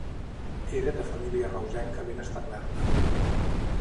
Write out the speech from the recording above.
Era de família reusenca ben establerta.